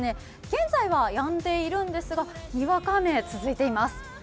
現在はやんでいるんですがにわか雨、続いています。